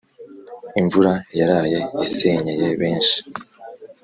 Imvura yaraye isenyeye benshi